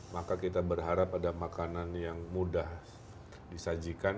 maka kita berharap ada makanan yang mudah disajikan